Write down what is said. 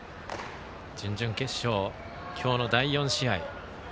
準々決勝、今日の第４試合。